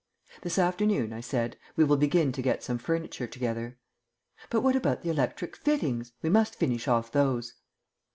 "This afternoon," I said, "we will begin to get some furniture together." "But what about the electric fittings? We must finish off those."